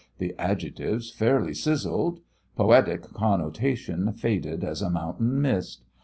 The adjectives fairly sizzled. Poetic connotation faded as a mountain mist.